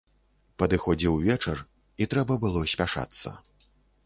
Падыходзіў вечар, і трэба было спяшацца.